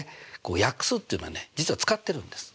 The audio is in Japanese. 約数っていうのはね実は使ってるんです。